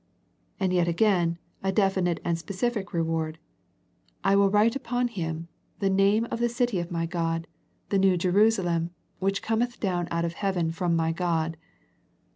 And yet again, a definite and specific re ward. " I will write upon him ... the name of the city of My God, the new Jerusa lem, which cometh down out of heaven from My God."